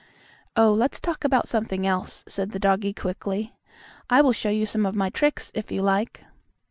"Oh, let's talk about something else," said the doggie quickly. "I will show you some of my tricks, if you like."